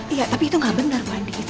iya tapi itu gak bener bu andis